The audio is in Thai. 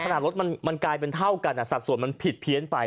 รถมันกลายเป็นเท่ากันสัดส่วนมันผิดเพี้ยนไป